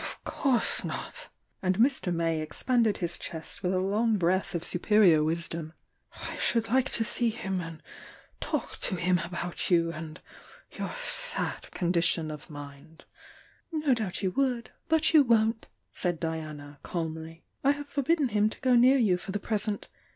"Of course not!" and Mr. May expanded his chest with a long breath of superior wisdom. "I should like to see him and talk to him about you and your sad condition of mind " "No doubt you would, but you won't," said Diana calmly. "I have forbidden him to go near you for the present.